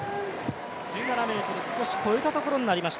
１７ｍ少し越えたところになりました。